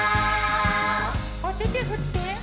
おててふって！